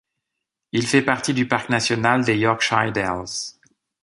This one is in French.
Il fait partie du parc national des Yorkshire Dales.